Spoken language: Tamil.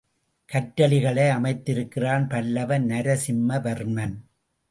கற்றளிகளை அமைத்திருக்கிறான் பல்லவ நரசிம்மவர்மன்.